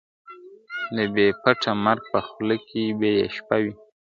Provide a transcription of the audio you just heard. د بې پته مرګ په خوله کي به یې شپه وي ,